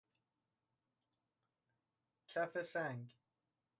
کف سنگ